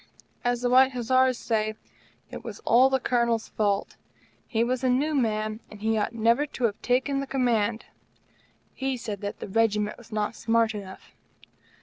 As the White Hussars say, it was all the Colonel's fault. He was a new man, and he ought never to have taken the Command. He said that the Regiment was not smart enough.